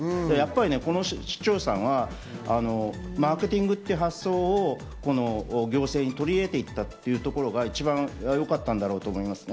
この市長さんはマーケティングという発想を行政に取り入れていったというのが一番よかったんだろうと思いますね。